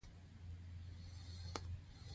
هیڅ اندیښنه مه کوئ که شتمن نه یاست.